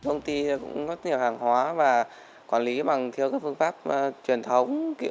công ty cũng có nhiều hàng hóa và quản lý bằng theo các phương pháp truyền thống